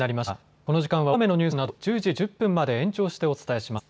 この時間は大雨のニュースなどを１０時１０分まで延長してお伝えします。